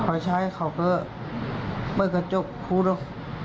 พอใช้เขาก็เปียกกระจกก็พูดว่า